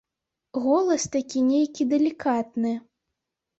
Голас такі нейкі далікатны.